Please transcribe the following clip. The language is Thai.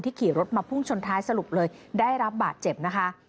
ขี่รถมาพุ่งชนท้ายสรุปเลยได้รับบาดเจ็บนะคะ